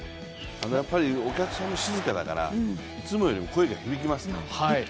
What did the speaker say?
お客さんも静かだから、いつもよりも声が響きました。